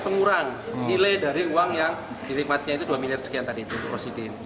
pengurang nilai dari uang yang dirikmatnya itu dua miliar sekian tadi itu prosiden yang